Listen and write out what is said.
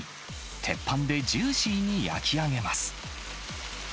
鉄板でジューシーに焼き上げます。